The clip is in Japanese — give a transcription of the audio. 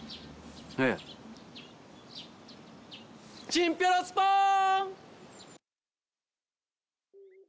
・ええ・チンピロスポーン！